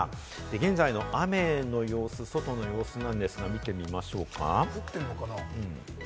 現在の雨の様子、外の様子なんですが、見てみましょうか。